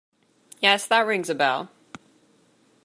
Yes, that rings a bell.